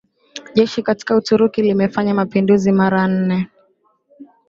jeshi katika Uturuki limefanya mapinduzi mara nne